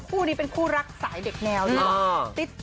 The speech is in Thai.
คู่นี้เป็นคู่รักสายเด็กแนวดีกว่า